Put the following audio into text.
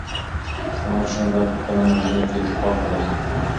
پښتانه مشران باید په خپلو منځونو کې اتفاق ولري.